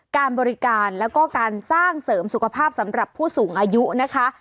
การบริการแล้วก็การสร้างเสริมสุขภาพสำหรับผู้สูงอายุนะคะ